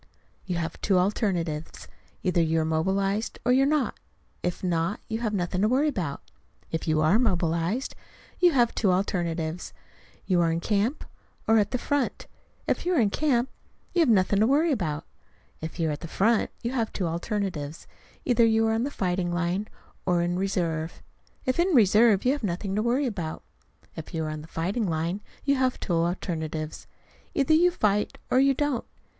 You have two alternatives: either you are mobilized or you are not. If not, you have nothing to worry about. If you are mobilized, you have two alternatives: you are in camp or at the front. If you are in camp, you have nothing to worry about. If you are at the front, you have two alternatives: either you are on the fighting line or in reserve. If in reserve, you have nothing to worry about. If you are on the fighting line, you have two alternatives: either you fight or you don't.